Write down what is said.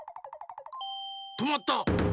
とまった！